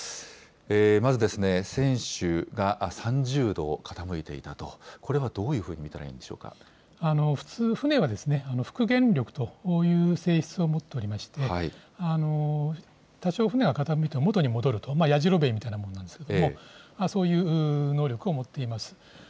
まず、船首が３０度傾いていたと、これはどういうふうに見た普通、船は復原力という性質を持っておりまして、多少船が傾いても元に戻ると、やじろべえみたいなものなんですけれども、そういう能力を持っています。